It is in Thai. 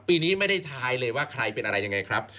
ปีนี้ไม่ได้ท้ายเลยว่าใครเป็นอะไรยังไงครับ